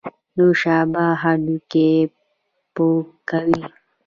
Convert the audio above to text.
نوشابه هډوکي پوکوي